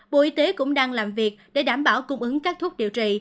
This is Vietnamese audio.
bộ y tế cũng đang làm việc để đảm bảo cung ứng các thuốc điều trị